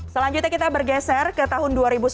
selanjutnya kita bergeser ke tahun dua ribu sembilan belas